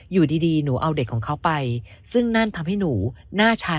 อยู่ดีดีหนูเอาเด็กของเขาไปซึ่งนั่นทำให้หนูหน้าชา